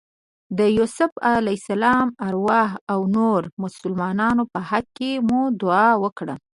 د یوسف علیه السلام ارواح او نورو مسلمانانو په حق کې مو دعا وکړه.